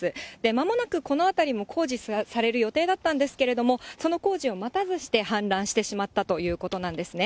まもなくこの辺りも工事される予定だったんですけれども、その工事を待たずして氾濫してしまったということなんですね。